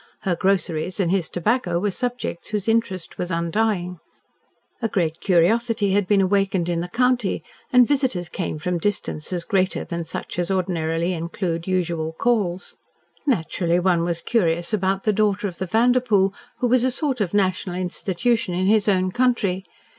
Her groceries and his tobacco were subjects whose interest was undying. A great curiosity had been awakened in the county, and visitors came from distances greater than such as ordinarily include usual calls. Naturally, one was curious about the daughter of the Vanderpoel who was a sort of national institution in his own country.